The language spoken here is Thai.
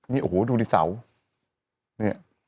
นี่โอ้โหดูนี่สาว